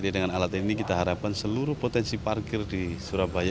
dengan alat ini kita harapkan seluruh potensi parkir di surabaya